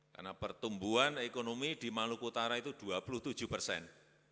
karena pertumbuhan ekonomi di maluku utara itu dua puluh tujuh persen